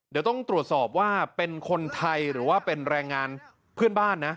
เดี๋ยวต้องตรวจสอบว่าเป็นคนไทยหรือว่าเป็นแรงงานเพื่อนบ้านนะ